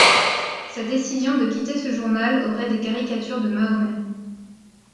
Sa décision de quitter ce journal aurait des caricatures de Mahomet.